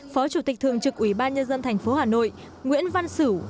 phó chủ tịch thường trực ủy ban nhân dân thành phố hà nội nguyễn văn sửu